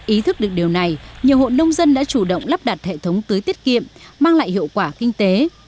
ý thức được điều này nhiều hộ nông dân đã chủ động lắp đặt hệ thống tưới tiết kiệm mang lại hiệu quả kinh tế